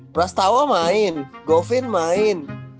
prastawa main govin main